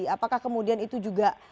apakah kemudian itu juga